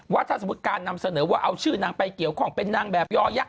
ว่าถ้าสมมุติการนำเสนอว่าเอาชื่อนางไปเกี่ยวข้องเป็นนางแบบยอยะ